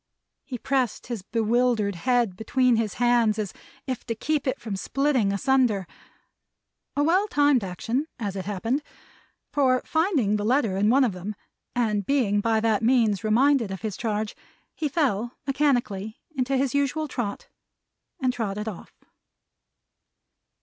He pressed his bewildered head between his hands as if to keep it from splitting asunder. A well timed action, as it happened; for finding the letter in one of them, and being by that means reminded of his charge, he fell, mechanically, into his usual trot, and trotted off.